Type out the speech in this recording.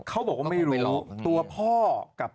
เขาบอกว่าไม่รู้ตัวพ่อกับ